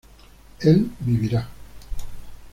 él vivirá